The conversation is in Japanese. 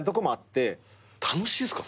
楽しいっすか？